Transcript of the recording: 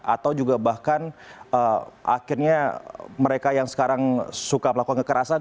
atau juga bahkan akhirnya mereka yang sekarang suka melakukan kekerasan